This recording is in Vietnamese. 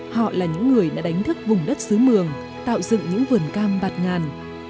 họ là những người đã đánh thức vùng đất xứ mường tạo dựng những vườn cam bạt ngàn